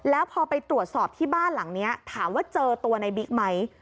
แล้วพอไปตรวจสอบที่บ้านหลังนี้ถามว่าเจอตัวในบิ๊กไหม